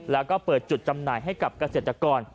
แล้วก็เปิดจุดจำหน่ายให้กับเกษตรกร